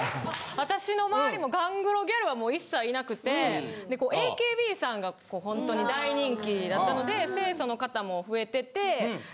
私の周りもガングロギャルはもう一切いなくてＡＫＢさんがほんとに大人気だったので。